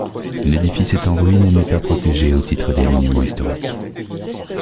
L'édifice est en ruine et n'est pas protégé au titre des monuments historiques.